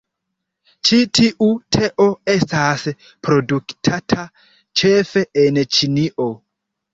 Ĉi tiu teo estas produktata ĉefe en Ĉinio.